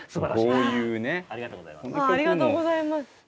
ありがとうございます。